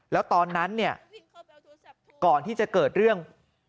แล้วตอนนั้นเนี่ยก่อนที่จะเกิดเรื่อง